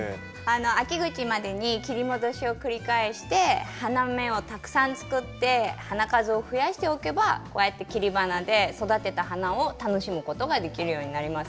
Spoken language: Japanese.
秋口までに切り戻しを繰り返して花芽をたくさん作って花数を増やしておけばこうやって切り花で育てた花を楽しむことができるようになります。